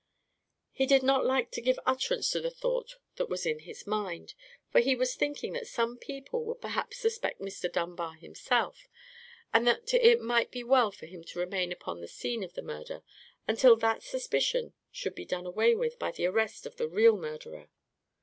He did not like to give utterance to the thought that was in his mind; for he was thinking that some people would perhaps suspect Mr. Dunbar himself, and that it might be well for him to remain upon the scene of the murder until that suspicion should be done away with by the arrest of the real murderer.